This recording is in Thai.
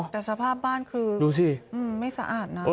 แต่สภาพบ้านคือไม่สะอาด